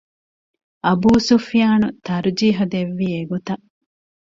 އަބޫސުފްޔާނު ތަރްޖީޙު ދެއްވީ އެގޮތަށް